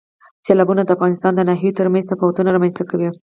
سیلابونه د افغانستان د ناحیو ترمنځ تفاوتونه رامنځ ته کوي.